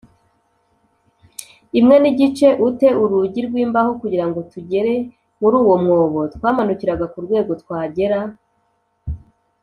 imwe n igice u te urugi rw imbaho Kugira ngo tugere muri uwo mwobo twamanukiraga ku rwego twagera